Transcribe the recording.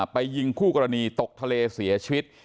ไปยิงคู่กรณีตกทะเลเสียชีวิต